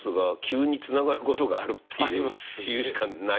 っていうしかない。